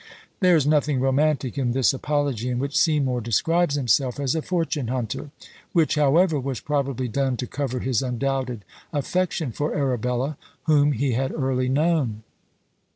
There is nothing romantic in this apology, in which Seymour describes himself as a fortune hunter! which, however, was probably done to cover his undoubted affection for Arabella, whom he had early known.